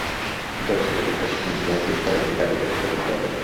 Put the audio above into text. চলচ্চিত্রটি ছয়টি ফিল্মফেয়ার পুরস্কার ও একটি জাতীয় চলচ্চিত্র পুরস্কার অর্জন করে।